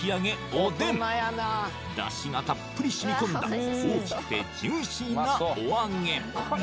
おでんダシがたっぷりしみこんだ大きくてジューシーなお揚げ